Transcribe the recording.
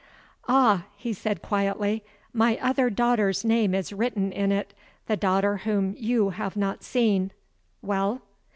"Ah," he said quietly, "my other daughter's name is written in it the daughter whom you have not seen. Well?"